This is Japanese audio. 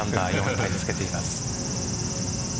タイにつけています。